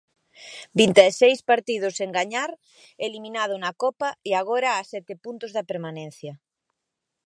Vinte e seis partidos sen gañar, eliminado na Copa e agora a sete puntos da permanencia.